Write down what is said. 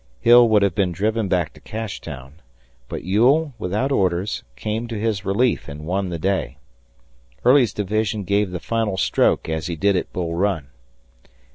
Hill would have been driven back to Cashtown, but Ewell, without orders, came to his relief and won the day. Early's division gave the final stroke as he did at Bull Run.